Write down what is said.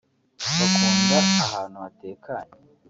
bakunda ahantu hatekanye